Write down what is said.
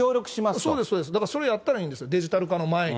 そうです、そうです、だからそれをやったらいいんですよ、デジタル化の前に。